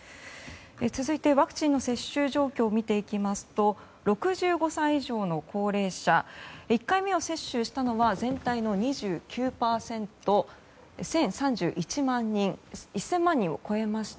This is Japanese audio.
続いてワクチンの接種状況を見ていきますと６５歳以上の高齢者１回目を接種したのは全体の２９％１０３１万人１０００万人を超えました。